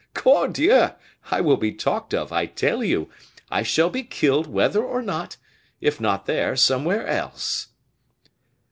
Cordieu! I will be talked of, I tell you; I shall be killed whether or not; if not there, somewhere else."